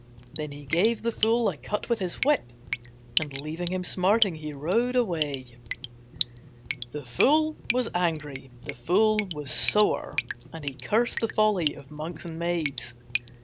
Then he gave the fool a cut with his whip And leaving him smarting, he rode away. The fool was angry, the fool was sore, And he cursed the folly of monks and maids.